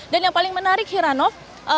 dan yang paling menarik hiranov